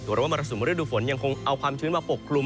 หรือว่ามรสุมฤดูฝนยังคงเอาความชื้นมาปกกลุ่ม